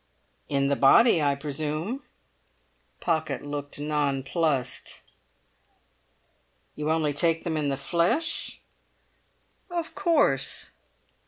"In the body, I presume?" Pocket looked nonplussed. "You only take them in the flesh?" "Of course."